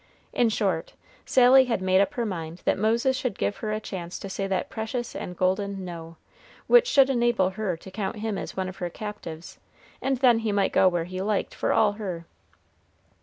In short, Sally had made up her mind that Moses should give her a chance to say that precious and golden No, which should enable her to count him as one of her captives, and then he might go where he liked for all her.